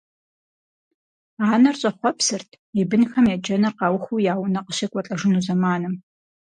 Анэр щӏэхъуэпсырт и бынхэм еджэныр къаухыу я унэ къыщекӏуэлӏэжыну зэманым.